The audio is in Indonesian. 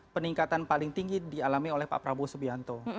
peningkatan paling tinggi dialami oleh pak prabowo subianto